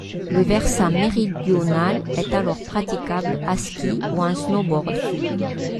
Le versant méridional est alors praticable à ski ou en snowboard.